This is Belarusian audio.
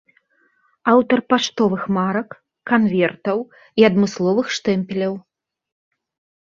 Аўтар паштовых марак, канвертаў і адмысловых штэмпеляў.